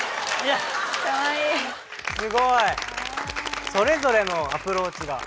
すごい！それぞれのアプローチが。